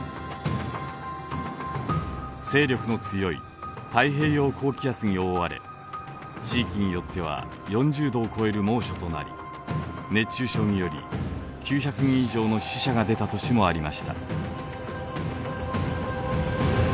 勢力の強い太平洋高気圧に覆われ地域によっては４０度を超える猛暑となり熱中症により９００人以上の死者が出た年もありました。